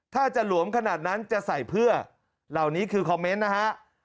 ถ้าจะหลวมขนาดนั้นจะใส่เพื่อเหล่านี้คือคอมเมนต์นะฮะ